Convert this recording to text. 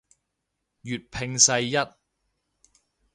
粵拼世一